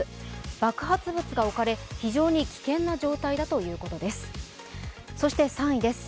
爆発物が置かれ非常に危険な状態だということです。